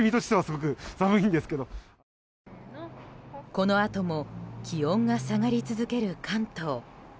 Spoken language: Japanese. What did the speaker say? このあとも気温が下がり続ける関東。